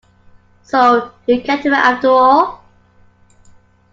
So you kept him after all?